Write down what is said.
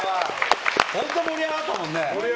本当盛り上がったもんね。